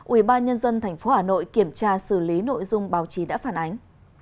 ubnd tp hà nội kiểm tra xử lý nội dung báo chí đã phản ánh